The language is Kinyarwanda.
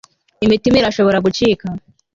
imitima irashobora gucika